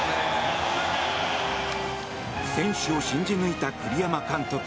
選手を信じ抜いた栗山監督。